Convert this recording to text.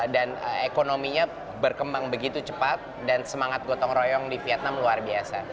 dan ekonominya berkembang begitu cepat dan semangat gotong royong di vietnam luar biasa